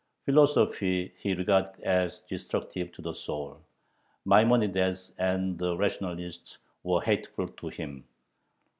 Philosophy he regarded as destructive to the soul; Maimonides and the rationalists were hateful to him.